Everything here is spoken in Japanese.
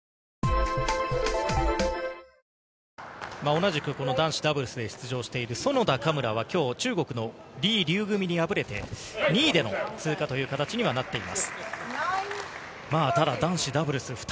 同じくこの男子ダブルスで出場している園田・嘉村はきょう、中国のリウ・劉組に敗れて、２位での通過という形にはなっています。